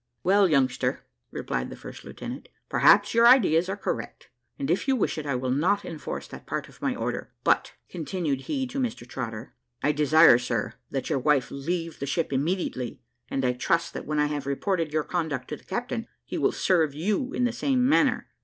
"Well, youngster," replied the first lieutenant, "perhaps your ideas are correct, and if you wish it, I will not enforce that part of my order; but," continued he to Mr Trotter, "I desire, sir, that your wife leave the ship immediately and I trust that when I have reported your conduct to the captain, he will serve you in the same manner.